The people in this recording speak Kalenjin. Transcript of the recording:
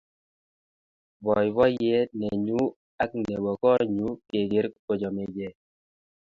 Boiboiyet nenyu ak nebo konyu keker kochamegei